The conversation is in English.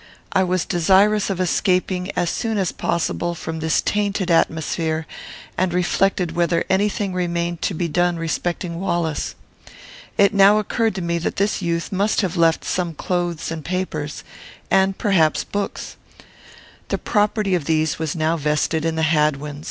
I was desirous of escaping, as soon as possible, from this tainted atmosphere, and reflected whether any thing remained to be done respecting Wallace. It now occurred to me that this youth must have left some clothes and papers, and, perhaps, books. The property of these was now vested in the Hadwins.